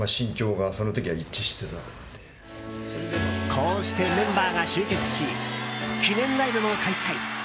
こうしてメンバーが集結し記念ライブも開催。